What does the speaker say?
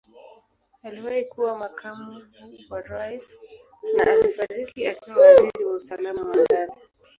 Aliwahi kuwa Makamu wa Rais na alifariki akiwa Waziri wa Usalama wa Ndani.